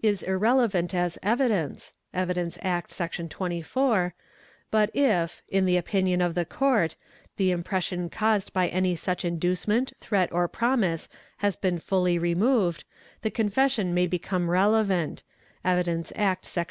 is irrelevant as evidence — (Evidence Act, Sec. 24), but if, in the opinion of the court, the impres sion caused by any such inducement, threat, or promise has been fully removed, the confession may become relevant (Evidence Act, Sec.